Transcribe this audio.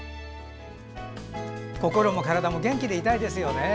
心も体も元気でいたいですよね。